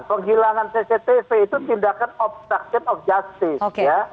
penghilangan cctv itu tindakan obstruction of justice